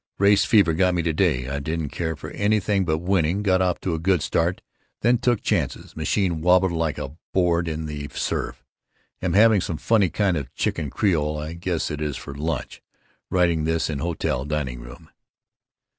Race fever got me to day, didn't care for anything but winning, got off to a good start, then took chances, machine wobbled like a board in the surf. Am having some funny kind of chicken creole I guess it is for lunch, writing this in hotel dining room.